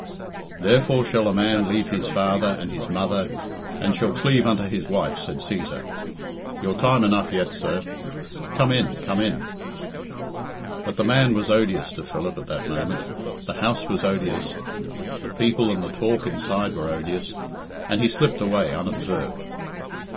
"Therefore shall a man leave his father and his mother and shall cleave unto his wife," said Cæsar. "You're time enough yet, sir; come in, come in." But the man was odious to Philip at that moment, the house was odious, the people and the talk inside were odious, and he slipped away unobserved.